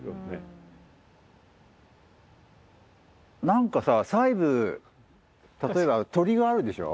なんかさ細部例えば鳥があるでしょ。